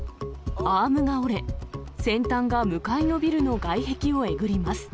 アームが折れ、先端が向かいのビルの外壁をえぐります。